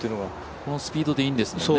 このスピードでいいんですよね。